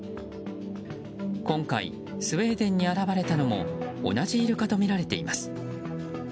今回、スウェーデンに現れたのも同じイルカとみられています。